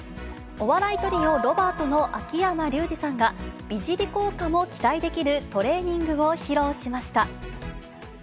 お笑いトリオ、ロバートの秋山竜次さんが、美尻効果も期待できるトレーニングを披露しました。